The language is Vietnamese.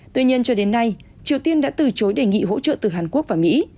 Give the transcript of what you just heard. tuy nhiên cho đến nay triều tiên đã từ chối đề nghị hỗ trợ từ hàn quốc và mỹ